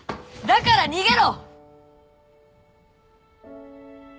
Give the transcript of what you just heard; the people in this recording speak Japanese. だから逃げろ！